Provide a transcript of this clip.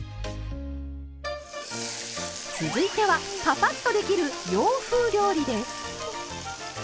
続いてはパパッとできる洋風料理です。